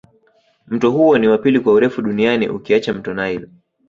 Mto huo ni wa pili kwa urefu duniani ukiacha mto nile